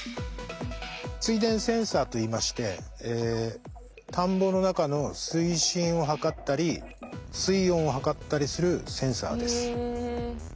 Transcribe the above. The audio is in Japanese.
水田センサーといいまして田んぼの中の水深を測ったり水温を測ったりするセンサーです。